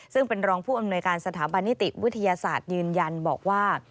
ซึ่งเป็นรองผู้อำนวยการสถาบันนิติวิทยาศาสตร์ยืนยันบอกว่า